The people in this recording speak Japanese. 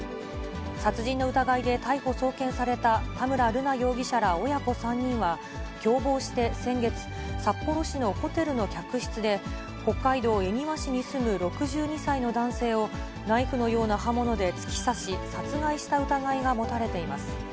殺人の疑いで逮捕・送検された田村瑠奈容疑者ら親子３人は、共謀して先月、札幌市のホテルの客室で、北海道恵庭市に住む６２歳の男性を、ナイフのような刃物で突き刺し、殺害した疑いが持たれています。